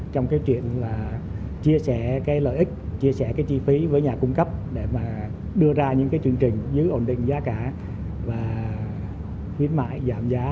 trong cái chuyện là chia sẻ cái lợi ích chia sẻ cái chi phí với nhà cung cấp để mà đưa ra những cái chương trình giữ ổn định giá cả và khuyến mại giảm giá